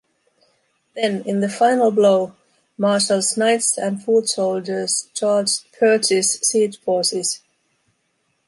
Then, in the final blow, Marshal's knights and footsoldiers charged Perche's siege forces.